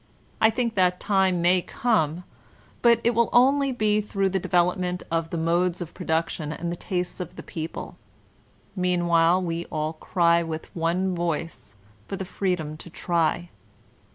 I think that time may come; but it will only be through the development of the modes Anarchism 113 of production and the taste of the people. Meanwhile we all cry with one voice for the freedom to try.